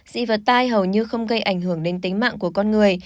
dị vật tai hầu như không gây ảnh hưởng đến tính mạng của con người